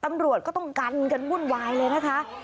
ตำรวจก็ต้องกันกันวุ่นวายเลยนะคะ